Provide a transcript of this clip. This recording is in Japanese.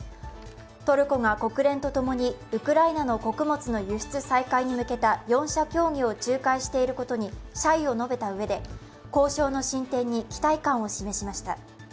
トルコが国連と共にウクライナの穀物の輸出再開に向けた４者協議を仲介していることに謝意を述べたうえで交渉の進展に期待感を示しました。